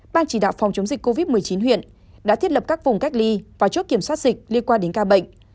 ban chỉ đạo phòng chống dịch covid một mươi chín huyện đã thiết lập các vùng cách ly và chốt kiểm soát dịch liên quan đến ca bệnh